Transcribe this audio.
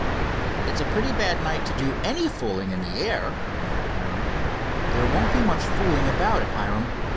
"It's a pretty bad night to do any fooling in the air," remarked Hiram. "There won't be much fooling about it, Hiram.